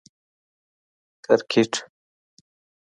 🏏 کرکټ